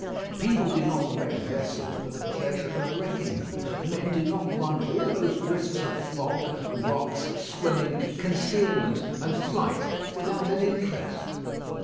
People do not wreck vessels for the pleasure of wrecking them. Men do not run all those risks of fog, rocks, swimming, concealment, and flight without an interest.